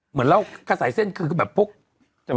เหมือนเรากระสายเส้นคือแบบพวก